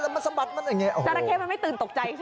จอระเทศมันไม่ตื่นตกใจใช่ไหม